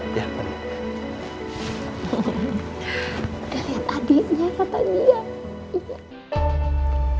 udah liat adiknya kata dia